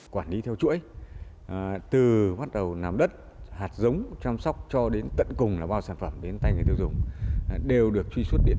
quản lý theo chuỗi từ bắt đầu làm đất hạt giống chăm sóc cho đến tận cùng là bao sản phẩm đến tay người tiêu dùng đều được truy xuất điện